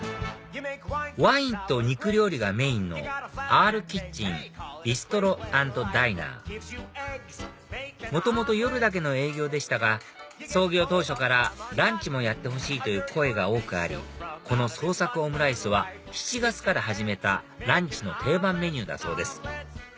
ワインと肉料理がメインのＲＫｉｔｃｈｅｎｂｉｓｔｒｏ＆ｄｉｎｅｒ元々夜だけの営業でしたが創業当初からランチもやってほしいという声が多くありこの創作オムライスは７月から始めたランチの定番メニューだそうです